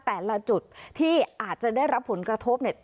แต่ละจุดที่อาจจะได้รับผลกระทบเนี่ย